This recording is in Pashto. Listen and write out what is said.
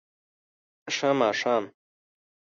ښه ماښام